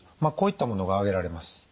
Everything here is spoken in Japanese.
こういったものが挙げられます。